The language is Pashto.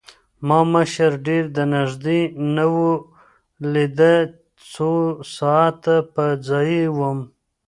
ما مشر ډېر د نزدې نه وليد څو ساعت پۀ ځائې ووم